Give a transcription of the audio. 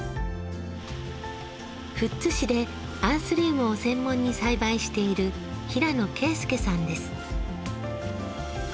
富津市でアンスリウムを専門に栽培している平野圭祐さんです。